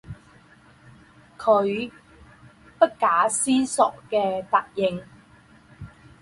她不假思索的答应